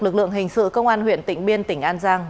lực lượng hình sự công an huyện tỉnh biên tỉnh an giang